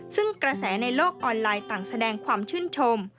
ซึ่งกระแสในโลกออนไลน์ต่างแสดงความชื่นชม